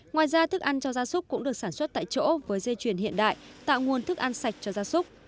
ngoài ra thức ăn cho gia súc cũng được sản xuất tại chỗ với dây chuyền hiện đại tạo nguồn thức ăn sạch cho gia súc